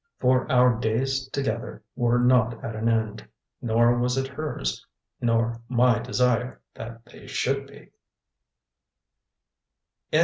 For our days together were not at an end; nor was it hers nor my desire that they should be.